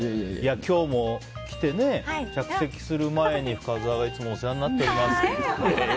今日も来てね、着席する前に深澤がいつもお世話になっておりますって。